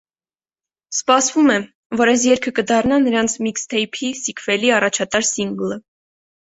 Սպասվում է, որ այս երգը կդառնա նրանց միքսթեյփի սիքվելի առաջատար սինգլը։